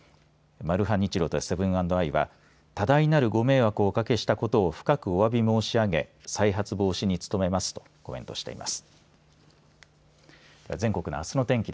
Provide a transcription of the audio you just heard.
マルハニチロとセブン＆アイは多大なるご迷惑をおかけしたことを深くおわび申し上げ再発防止に努めますとコメントしています。